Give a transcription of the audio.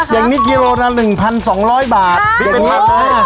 ตรงนี้ล่ะคะอย่างนี้ล่ะคะ